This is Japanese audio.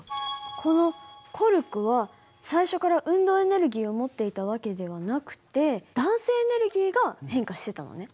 このコルクは最初から運動エネルギーを持っていた訳ではなくて弾性エネルギーが変化してたのね。